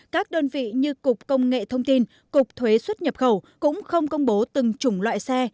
các đơn vị như cục công nghệ thông tin cục thuế xuất nhập khẩu cũng không công bố từng chủng loại xe